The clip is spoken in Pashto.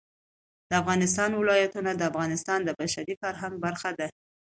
د افغانستان ولايتونه د افغانستان د بشري فرهنګ برخه ده.